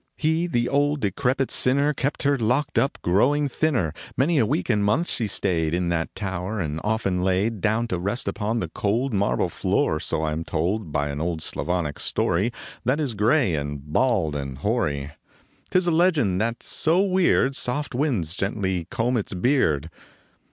He, the old decrepit sinner, Kept her locked up growing thinner, Many a week and month she staid In that tower, and often laid Down to rest upon the cold Marble floor, so I am told By an old Slavonic story That is gray and bald and hoary ; Tis a legend that s so weird Soft winds gently comb its beard.